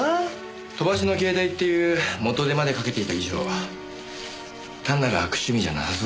飛ばしの携帯っていう元手までかけていた以上は単なる悪趣味じゃなさそうですね。